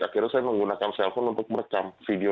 akhirnya saya menggunakan telepon untuk merekam video